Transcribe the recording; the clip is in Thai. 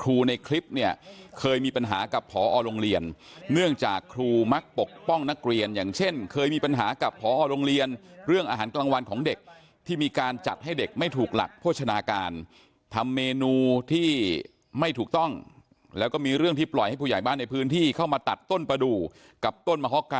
ครูในคลิปเนี่ยเคยมีปัญหากับพอโรงเรียนเนื่องจากครูมักปกป้องนักเรียนอย่างเช่นเคยมีปัญหากับพอโรงเรียนเรื่องอาหารกลางวันของเด็กที่มีการจัดให้เด็กไม่ถูกหลักโภชนาการทำเมนูที่ไม่ถูกต้องแล้วก็มีเรื่องที่ปล่อยให้ผู้ใหญ่บ้านในพื้นที่เข้ามาตัดต้นประดูก